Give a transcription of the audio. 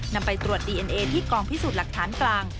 นำไปตรวจดีเอ็นเอที่กองพิสูจน์หลักฐานกลาง